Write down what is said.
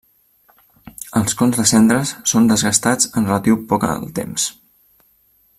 Els cons de cendres són desgastats en relatiu poc el temps.